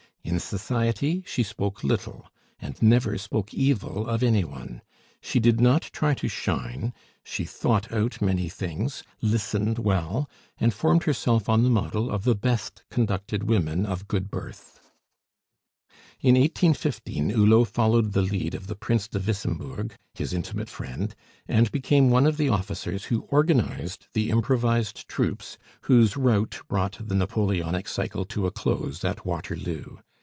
In society she spoke little, and never spoke evil of any one; she did not try to shine; she thought out many things, listened well, and formed herself on the model of the best conducted women of good birth. In 1815 Hulot followed the lead of the Prince de Wissembourg, his intimate friend, and became one of the officers who organized the improvised troops whose rout brought the Napoleonic cycle to a close at Waterloo.